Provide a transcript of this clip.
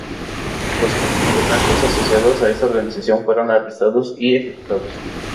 Los polacos asociados a esta organización fueron arrestados y ejecutados.